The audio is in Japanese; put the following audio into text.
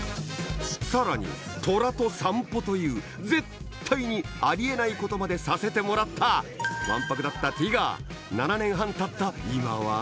さらにトラと散歩という絶対にあり得ないことまでさせてもらったわんぱくだったティガー７年半たった今は？